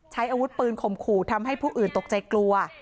ใช้อาวุธปืนข่มขู่ทำให้ผู้อื่นตกใจกลัว